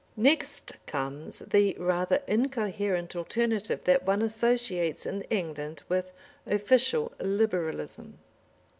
Next comes the rather incoherent alternative that one associates in England with official Liberalism.